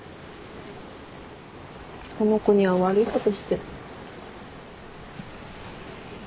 この子には悪いことしてる。